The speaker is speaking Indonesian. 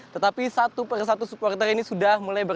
tetapi satu persatu supporter ini sudah mulai berlaku